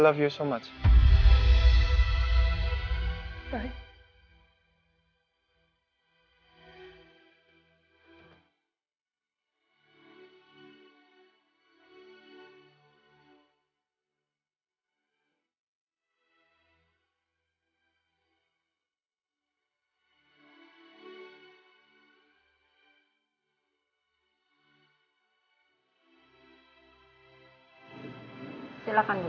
aku tahu ini gak adil